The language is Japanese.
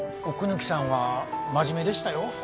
奥貫さんは真面目でしたよ。